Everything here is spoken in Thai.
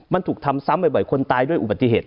มันถูกทำซ้ำบ่อยคนตายด้วยอุบัติเหตุ